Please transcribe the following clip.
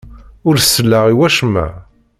Ur selleɣ i wacemma.